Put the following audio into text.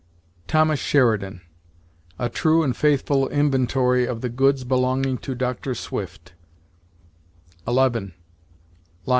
Thomas Sheridan, "A True and Faithful Inventory of the Goods belonging to Dr. Swift," II.